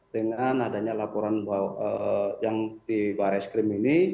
dengan adanya laporan yang di baris krim ini